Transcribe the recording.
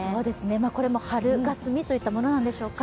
これも春がすみといったものなんでしょうか。